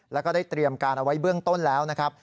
แล้วก็ได้เตรียมการเอาไว้เบื้องต้นแล้วนะครับ